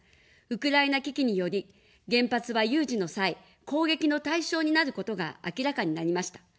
ウクライナ危機により、原発は有事の際、攻撃の対象になることが明らかになりました。